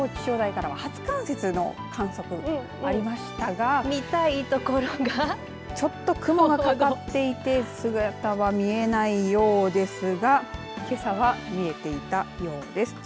きょう甲府地方気象台からは初冠雪の発表がありましたがちょっと雲がかかっていて姿は見えないようですがけさは見えていたようです。